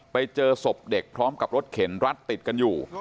ไปเจอศพเด็กพร้อมกับรถเข็นรัดติดกันอยู่